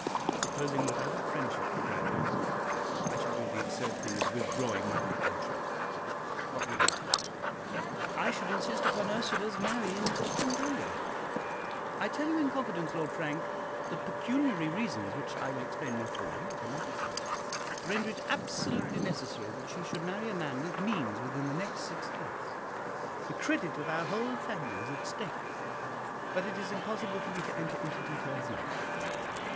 "Supposing that out of friendship for Grandon I should do the absurd thing of withdrawing my pretensions, what would happen?" "I should insist upon Ursula's marrying Mr Chundango. I tell you in confidence, Lord Frank, that pecuniary reasons, which I will explain more fully at another time, render it absolutely necessary that she should marry a man with means within the next six months. The credit of our whole family is at stake; but it is impossible for me to enter into details now."